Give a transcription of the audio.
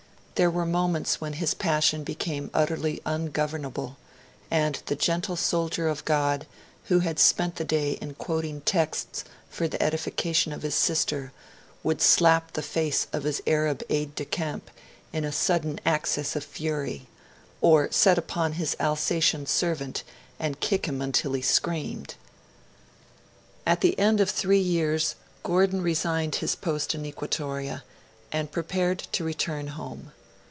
There were moments when his passion became utterly ungovernable; and the gentle soldier of God, who had spent the day in quoting texts for the edification of his sister, would slap the face of his Arab aide de camp in a sudden access of fury, or set upon his Alsatian servant and kick him until he screamed. At the end of three years, Gordon resigned his post in Equatoria, and prepared to return home.